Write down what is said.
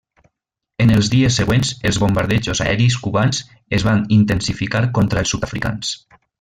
En els dies següents els bombardejos aeris cubans es van intensificar contra els sud-africans.